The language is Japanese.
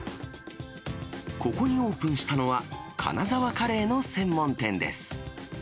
ここにオープンしたのは、金沢カレーの専門店です。